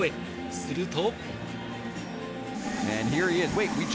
すると。